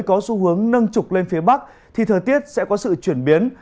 có xu hướng nâng trục lên phía bắc thì thời tiết sẽ có sự chuyển biến